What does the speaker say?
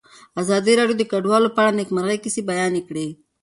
ازادي راډیو د کډوال په اړه د نېکمرغۍ کیسې بیان کړې.